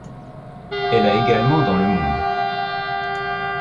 Elle a également dans le monde.